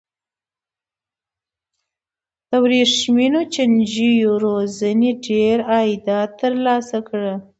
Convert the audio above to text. د ورېښمو چینجیو روزنې ډېر عایدات ترلاسه کړل.